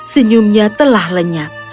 senyumnya telah lenyap